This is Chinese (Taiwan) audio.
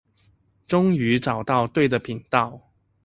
終於找到對的頻道